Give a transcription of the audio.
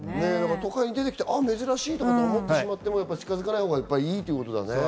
都会に出てきて珍しいって思っても近づかないほうがいいってことですね。